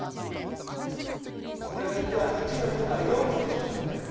これが１−２から４−１になったんや。